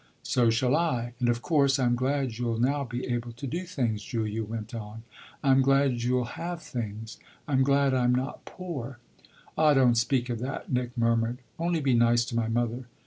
"So shall I! And of course I'm glad you'll now be able to do things," Julia went on. "I'm glad you'll have things. I'm glad I'm not poor." "Ah don't speak of that," Nick murmured. "Only be nice to my mother.